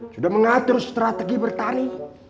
sudah mengatur strategi bertani